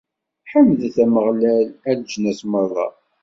Ḥemdet Ameɣlal, a leǧnas merra!